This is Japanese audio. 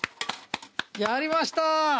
やりました！